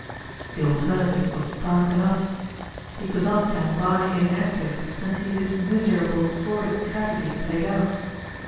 The alternative was stark enough. He could not stand by inactive and see this miserable, sordid tragedy played out.